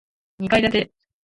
二階建て